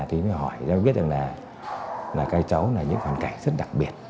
thì mới hỏi cháu biết rằng là cái cháu là những hoàn cảnh rất đặc biệt